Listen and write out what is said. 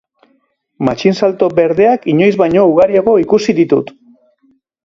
Matxinsalto berdeak inoiz baino ugariago ikusi ditut.